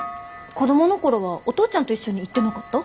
子供の頃はお父ちゃんと一緒に行ってなかった？